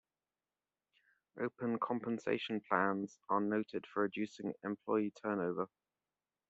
Open compensation plans are noted for reducing employee turnover.